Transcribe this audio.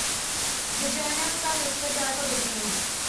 The journals are listed alphabetically.